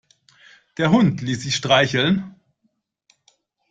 Der Hund ließ sich streicheln.